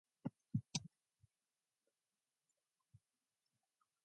His status in the Francoist Spain is not clear.